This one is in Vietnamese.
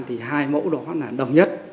thì hai mẫu đó là đồng nhất